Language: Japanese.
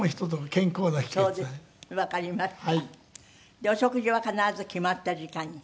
でお食事は必ず決まった時間に。